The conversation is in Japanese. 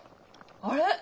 あれ？